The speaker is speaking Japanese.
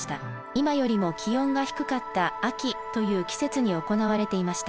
今よりも気温が低かった「秋」という季節に行われていました。